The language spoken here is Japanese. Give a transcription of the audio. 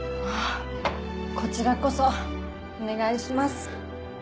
こちらこそお願いします